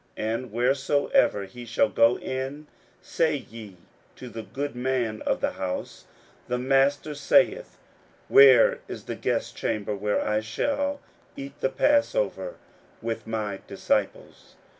41:014:014 And wheresoever he shall go in, say ye to the goodman of the house, The Master saith, Where is the guestchamber, where I shall eat the passover with my disciples?